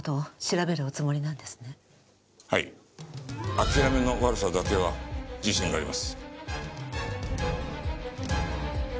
諦めの悪さだけは自信があります。